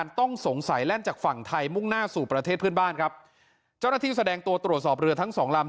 มุ่งหน้าสู่ประเทศพื้นบ้านครับเจ้าหน้าที่แสดงตัวตรวจสอบเรือทั้ง๒ลำ